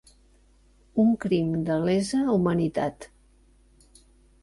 Un crim de lesa humanitat.